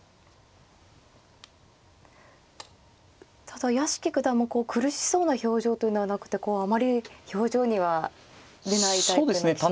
ただ屋敷九段も苦しそうな表情というのはなくてあまり表情には出ないタイプの棋士ですよね。